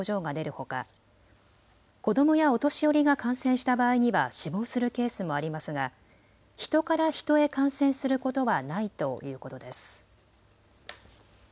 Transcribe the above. ほか子どもやお年寄りが感染した場合には死亡するケースもありますが人から人へ感染することはないということです。